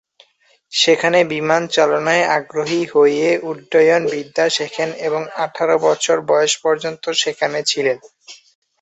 সেখানে বিমান চালনায় আগ্রহী হয়ে উড্ডয়ন বিদ্যা শেখেন এবং আঠারো বছর বয়স পর্যন্ত সেখানে ছিলেন।